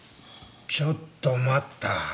ちょっと待った。